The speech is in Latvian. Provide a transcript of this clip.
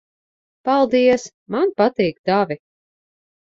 Paldies. Man patīk tavi.